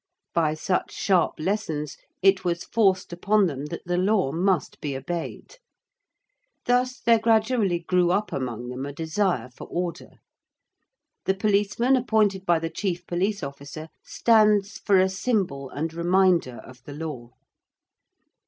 By such sharp lessons it was forced upon them that the Law must be obeyed. Thus there gradually grew up among them a desire for Order. The policeman appointed by the Chief Police Officer stands for a symbol and reminder of the Law.